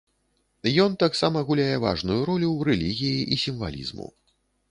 Ён таксама гуляе важную ролю ў рэлігіі і сімвалізму.